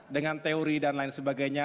dengan teori dan lain sebagainya